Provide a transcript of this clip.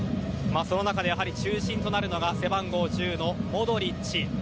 その中で中心となるのが背番号１０のモドリッチ。